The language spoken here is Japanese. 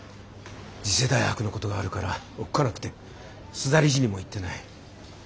次世代博のことがあるからおっかなくて須田理事にも言ってない。